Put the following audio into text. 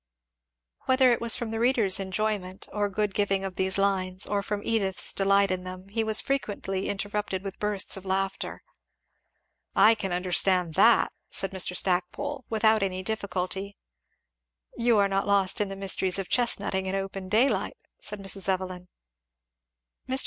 Whether it was from the reader's enjoyment or good giving of these lines, or from Edith's delight in them, he was frequently interrupted with bursts of laughter. "I can understand that" said Mr. Stackpole, "without any difficulty." "You are not lost in the mysteries of chestnuting in open daylight," said Mrs. Evelyn. "Mr.